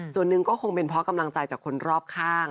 ส่วนหนึ่งก็คงเป็นเพราะกำลังใจจากคนรอบข้าง